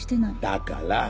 だから！